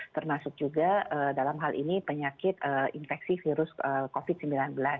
termasuk juga dalam hal ini penyakit infeksi virus covid sembilan belas